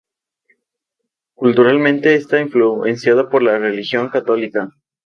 Culturalmente está influenciada por la religión católica.